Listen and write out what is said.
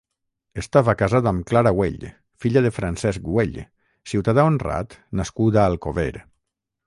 Estava casat amb Clara Güell, filla de Francesc Güell, ciutadà honrat nascut a Alcover.